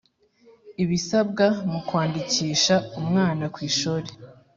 ibisabwa mu kwandikisha umwana kwishuri